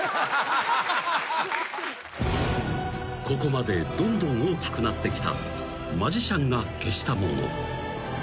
［ここまでどんどん大きくなってきたマジシャンが消したもの］